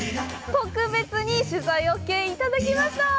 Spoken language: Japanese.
特別に取材ＯＫいただきました！